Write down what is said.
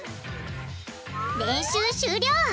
練習終了！